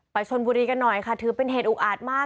ชนบุรีกันหน่อยค่ะถือเป็นเหตุอุกอาจมาก